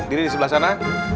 diri di sebelah sana